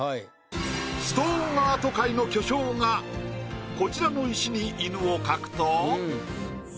ストーンアート界の巨匠がこちらの石に犬を描くと。